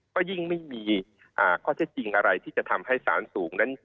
ก็ยิ่งไม่มีข้อเท็จจริงอะไรที่จะทำให้สารสูงนั้น